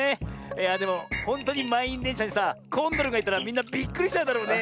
いやでもほんとうにまんいんでんしゃにさコンドルがいたらみんなびっくりしちゃうだろうね。